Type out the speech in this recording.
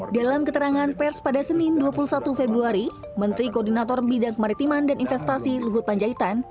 dalam keterangan pers pada senin dua puluh satu februari menteri koordinator bidang kemaritiman dan investasi luhut panjaitan